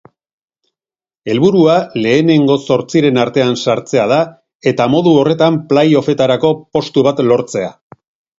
Helburua lehenengo zortziren artean sartzea da eta modu horretan play-offetarako postu bat lortzea.